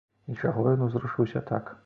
І чаго ён узрушыўся так?